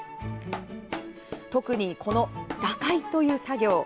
特に、この打解という作業。